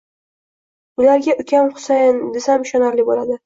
Ularga ukam Husan desam ishonarli bo`ladi